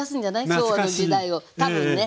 昭和の時代を多分ね。